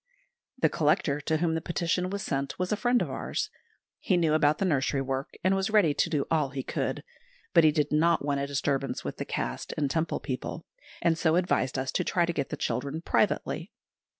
The Collector to whom the petition was sent was a friend of ours. He knew about the nursery work, and was ready to do all he could; but he did not want a disturbance with the Caste and Temple people, and so advised us to try to get the children privately.